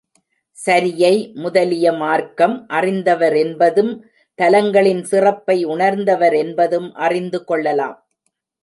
சரியை முதலிய மார்க்கம் அறிந்தவரென்பதும், தலங்களின் சிறப்பை உணர்ந்தவரென்பதும் அறிந்து கொள்ளலாம்.